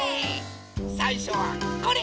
さいしょはこれ！